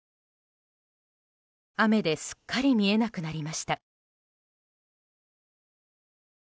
雨ですっかり見えなくなりました。